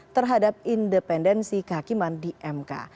terhadap bintang mahaputra